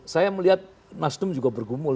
saya melihat nasdem juga bergumul